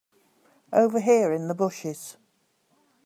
Over here in the bushes.